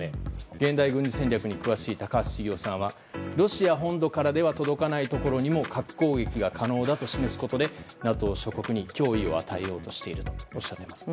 現代軍事戦略に詳しい高橋茂雄さんはロシア本土からでは届かないところにも核攻撃が可能だと示すことでＮＡＴＯ諸国に脅威を与えようとしているとおっしゃいます。